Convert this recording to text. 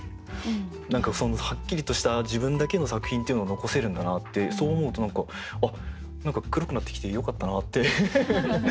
何かはっきりとした自分だけの作品っていうのを残せるんだなってそう思うと何か「あっ何か黒くなってきてよかったな」って。